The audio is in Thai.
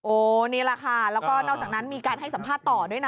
นี่แหละค่ะแล้วก็นอกจากนั้นมีการให้สัมภาษณ์ต่อด้วยนะ